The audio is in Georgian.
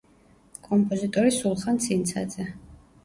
კომპოზიტორი სულხან ცინცაძე.